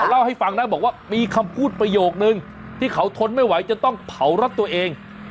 เล่าให้ฟังนะบอกว่ามีคำพูดประโยคนึงที่เขาทนไม่ไหวจะต้องเผารถตัวเอง